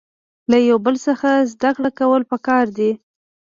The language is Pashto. له یو بل څخه زده کړه کول پکار دي.